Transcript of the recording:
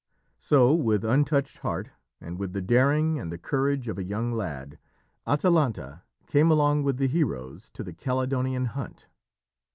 So, with untouched heart, and with the daring and the courage of a young lad, Atalanta came along with the heroes to the Calydonian Hunt.